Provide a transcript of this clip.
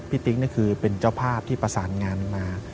พี่ติ๊กเป็นเจ้าภาพที่ประสานงานมา